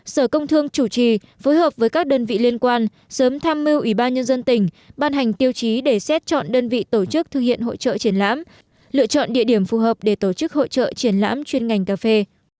sở công thương chủ trì phối hợp với các đơn vị liên quan sớm tham mưu ủy ban nhân dân tỉnh ban hành tiêu chí để xét chọn đơn vị tổ chức thực hiện hội trợ triển lãm lựa chọn địa điểm phù hợp để tổ chức hội trợ triển lãm chuyên ngành cà phê